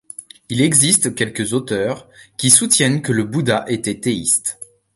Il existe quelques auteurs qui soutiennent que le Bouddha était théiste.